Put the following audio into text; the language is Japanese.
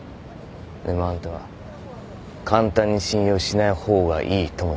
でもあんたは簡単に信用しない方がいいとも言った。